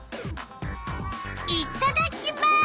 いっただきます！